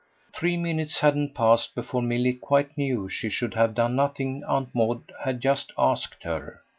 Three minutes hadn't passed before Milly quite knew she should have done nothing Aunt Maud had just asked her.